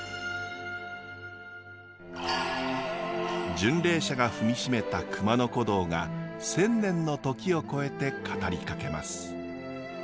巡礼者が踏みしめた熊野古道が千年の時を超えて語りかけます。